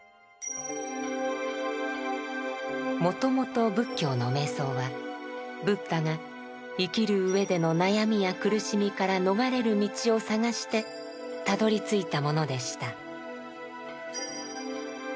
もともと仏教の瞑想はブッダが生きるうえでの悩みや苦しみから逃れる道を探してたどりついたものでした。